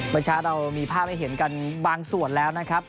เมื่อเช้าเรามีภาพให้เห็นกันบางส่วนแล้วนะครับ